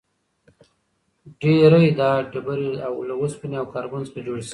ډېری دا ډبرې له اوسپنې او کاربن څخه جوړې شوې وي.